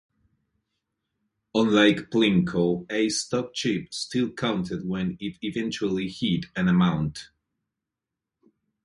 Unlike Plinko, a stuck chip still counted when it eventually hit an amount.